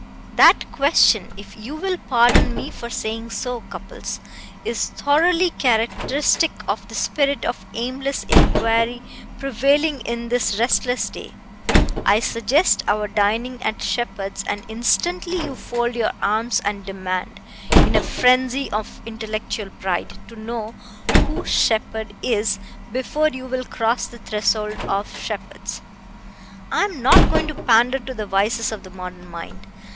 "That question, if you will pardon me for saying so, Cupples, is thoroughly characteristic of the spirit of aimless inquiry prevailing in this restless day. I suggest our dining at Sheppard's and instantly you fold your arms and demand, in a frenzy of intellectual pride, to know who Sheppard is before you will cross the threshold of Sheppard's. I am not going to pander to the vices of the modern mind.